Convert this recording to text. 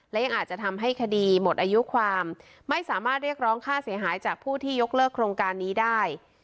และยังอาจจะทำให้คดีหมดอายุความไม่สามารถเรียกร้องค่าเสียหายจากผู้ที่ยกเลิกโครงการนี้ได้